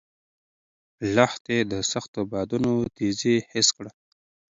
لښتې د سختو بادونو تېزي حس کړه.